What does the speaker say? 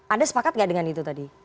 anda sepakat gak dengan itu tadi